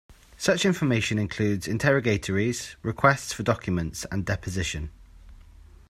Such information includes interrogatories, requests for documents and deposition.